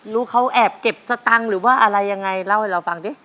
เขาแอบเก็บสตังค์หรือว่าอะไรยังไงเล่าให้เราฟังดิ